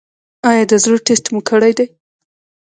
ایا د زړه ټسټ مو کړی دی؟